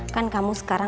kan kamu sekarang